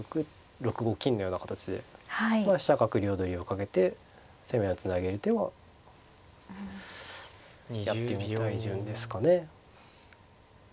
６五金のような形で飛車角両取りをかけて攻めをつなげる手はやってみたい順ですかね。